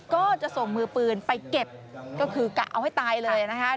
ก็จะส่งมือปืนไปเก็บก็คือกะเอาให้ตายเลยนะคะ